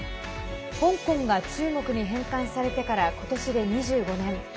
香港が中国に返還されてからことしで２５年。